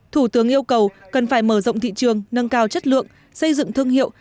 thủ tướng yêu cầu cần phải mở rộng thị trường nâng cao chất lượng xây dựng thương hiệu